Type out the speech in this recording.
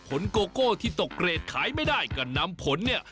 โกโก้ที่ตกเกรดขายไม่ได้ก็นำผลเนี่ย